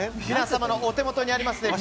皆様のお手元にあります